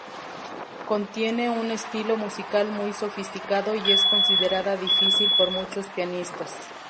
Contiene un estilo musical muy sofisticado y es considerada difícil por muchos pianistas.